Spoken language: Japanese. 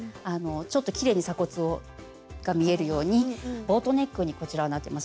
ちょっときれいに鎖骨が見えるようにボートネックにこちらはなってます。